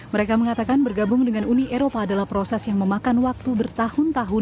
mereka mengatakan bergabung dengan uni eropa adalah proses yang memakan waktu bertahun tahun